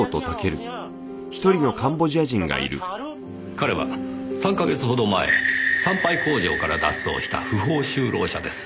彼は３か月ほど前産廃工場から脱走した不法就労者です。